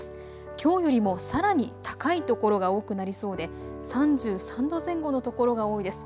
きょうよりもさらに高い所が多くなりそうで３３度前後の所が多いです。